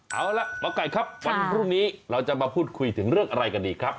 เอาล่ะหมอไก่ครับวันพรุ่งนี้เราจะมาพูดคุยถึงเรื่องอะไรกันดีครับ